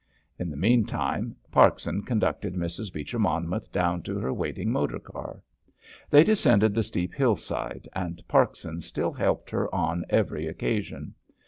In the meantime Parkson conducted Mrs. Beecher Monmouth down to her waiting motor car. They descended the steep hillside, and Parkson still helped her on every occasion.